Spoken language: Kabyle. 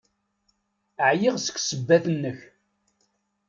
Ɛyiɣ seg ssebbat-nnek!